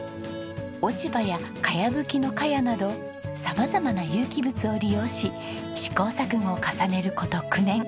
落ち葉や茅ぶきの茅など様々な有機物を利用し試行錯誤を重ねる事９年。